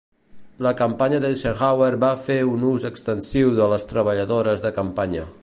La campanya d'Eisenhower va fer un ús extensiu de les treballadores de campanya.